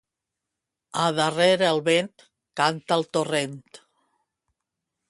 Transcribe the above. A darrere el vent, canta el torrent.